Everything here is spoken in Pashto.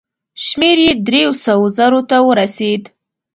شمېر یې دریو سوو زرو ته ورسېد.